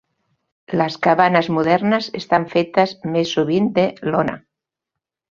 Les cabanes modernes estan fetes més sovint de lona.